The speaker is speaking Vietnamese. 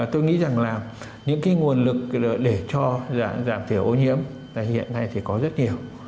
tôi nghĩ rằng là những cái nguồn lực để cho giảm thiểu ô nhiễm hiện nay thì có rất nhiều